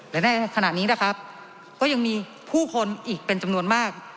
และในขณะนี้นะครับก็ยังมีผู้คนอีกเป็นจำนวนมาก